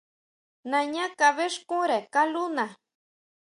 Nañá kabʼéxkunre kalúna.